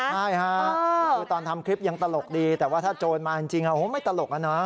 ใช่ค่ะคือตอนทำคลิปยังตลกดีแต่ว่าถ้าโจรมาจริงไม่ตลกอะนะ